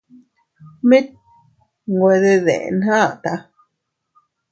Mit nwe de deʼn ata.